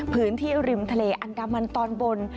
พื้นที่ริมทะเลอันดามันตอนบน